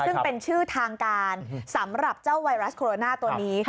ซึ่งเป็นชื่อทางการสำหรับเจ้าไวรัสโคโรนาตัวนี้